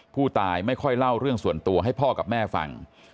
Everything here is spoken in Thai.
ผู้ตายไม่ค่อยเล่าเรื่องส่วนตัวให้พ่อกับแม่ฟัง